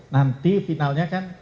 nanti finalnya kan